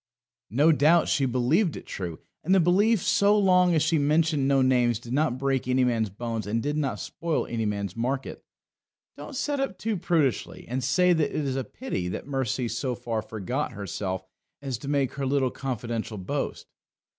No doubt she believed it true. And the belief so long as she mentioned no names, did not break any man's bones and did not spoil any man's market. Don't set up too prudishly and say that it is a pity that Mercy so far forgot herself as to make her little confidential boast.